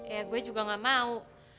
ya gue juga gak mau